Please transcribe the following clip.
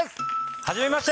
はじめまして！